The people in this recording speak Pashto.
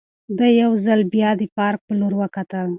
ده یو ځل بیا د پارک په لور وکتل.